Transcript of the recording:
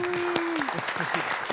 美しい曲。